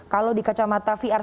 kalau di kacamata vr